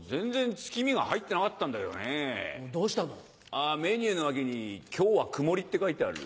あぁメニューの脇に「今日は曇り」って書いてある。